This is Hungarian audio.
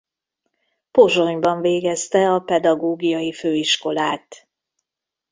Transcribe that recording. Pozsonyban végezte a Pedagógiai Főiskolát.